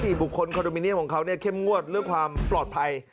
บุคคลคอนโดมิเนียมของเขาเข้มงวดเรื่องความปลอดภัย